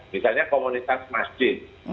misalnya komunitas masjid